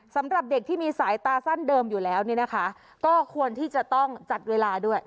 สำหรับเด็กที่มีสายตาสั้นเดิมอยู่แล้วเนี่ยนะคะก็ควรที่จะต้องจัดเวลาด้วย